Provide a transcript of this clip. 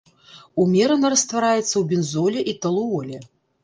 Умерана раствараецца ў бензоле і талуоле.